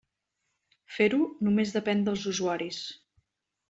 Fer-ho només depèn dels usuaris.